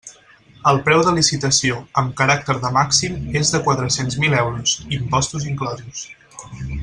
El preu de licitació, amb caràcter de màxim, és de quatre-cents mil euros, impostos inclosos.